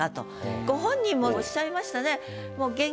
ご本人もおっしゃいましたね。